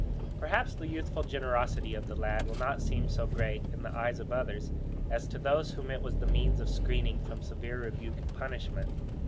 Perhaps the youthful generosity of the lad will not seem so great in the eyes of others as to those whom it was the means of screening from severe rebuke and punishment.